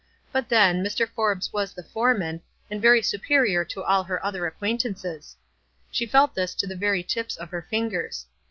But, then, Mr. Forbes was the foreman, and very superior to all her other ac quaintances. She felt this to the very tips of ber fingers.